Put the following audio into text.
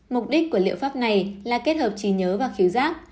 mục đích của liệu pháp này là kết hợp trí nhớ và khiếu giác